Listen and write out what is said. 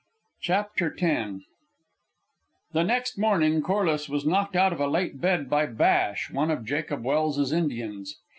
CHAPTER X The next morning Corliss was knocked out of a late bed by Bash, one of Jacob Welse's Indians.